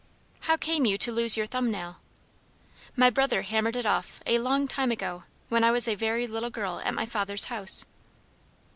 "How came you to lose your thumb nail?" "My brother hammered it off a long time ago, when I was a very little girl at my father's house."